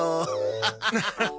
ハハハハ。